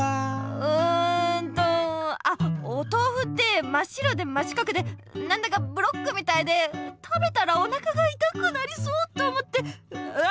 うんとあっおとうふってまっ白でま四角でなんだかブロックみたいで食べたらおなかがいたくなりそうと思ってうわ！